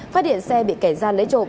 phát điện xe bị kẻ gian lấy trộm